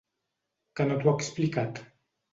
Que no t'ho ha explicat?